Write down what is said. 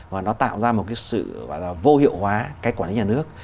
và nó tạo ra một cái sự vô hiệu hóa cái quản lý nhà nước